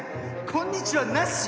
「こんにちは」なし？